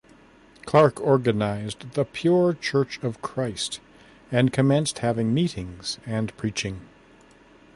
Clark organized the "Pure Church of Christ" and commenced having meetings and preaching.